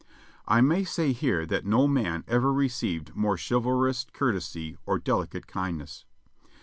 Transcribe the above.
I may say here that no man ever received more chivalrous courtesy or delicate kindness.